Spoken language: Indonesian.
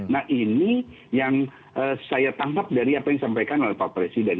nah ini yang saya tangkap dari apa yang disampaikan oleh pak presiden